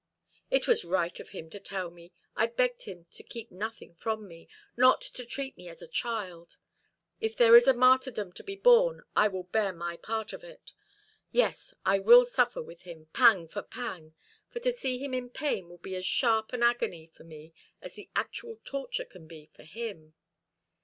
"It was right of him to tell me. I begged him to keep nothing from me not to treat me as a child. If there is a martyrdom to be borne, I will bear my part of it. Yes, I will suffer with him, pang for pang, for to see him in pain will be as sharp an agony for me as the actual torture can be for him.